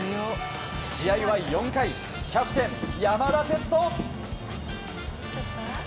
試合は４回、キャプテン山田哲人。